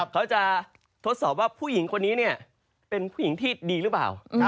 เขาจะทดสอบว่าผู้หญิงคนนี้เป็นผู้หญิงที่ดีหรือเปล่า